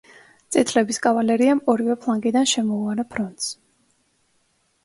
წითლების კავალერიამ ორივე ფლანგიდან შემოუარა ფრონტს.